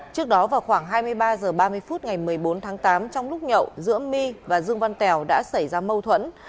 trước đó vào khoảng hai mươi ba h ba mươi phút ngày một mươi bốn tháng tám trong lúc nhậu giữa my và dương văn tèo đã xảy ra mâu thuẫn